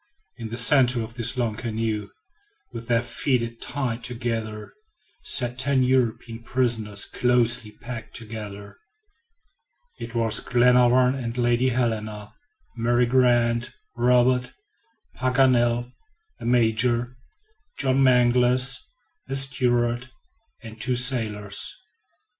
In the center of this long canoe, with their feet tied together, sat ten European prisoners closely packed together. It was Glenarvan and Lady Helena, Mary Grant, Robert, Paganel, the Major, John Mangles, the steward, and the two sailors.